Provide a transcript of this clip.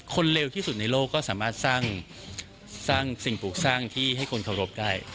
เร็วที่สุดในโลกก็สามารถสร้างสิ่งปลูกสร้างที่ให้คนเคารพได้